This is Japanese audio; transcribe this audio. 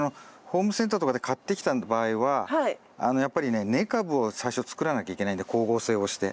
ホームセンターとかで買ってきた場合はやっぱりね根株を最初作らなきゃいけないんで光合成をして。